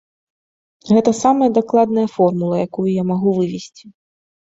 Гэта самая дакладная формула, якую я магу вывесці.